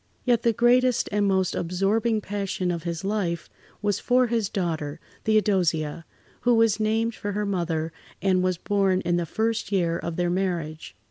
Yet the greatest and most absorbing passion of his life was for his daughter, Theodosia, who was named for her mother and was born in the first year of their marriage.